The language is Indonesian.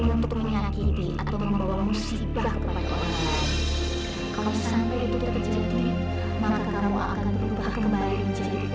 untuk menyakiti atau membawa musibah kepada orang lain